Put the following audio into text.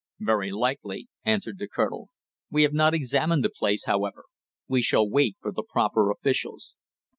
"Very likely," answered the colonel. "We have not examined the place, however; we shall wait for the proper officials."